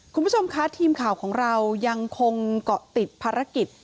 คุณผู้ชมคะทีมข่าวของเรายังคงเกาะติดภารกิจ